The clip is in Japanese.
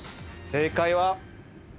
正解は。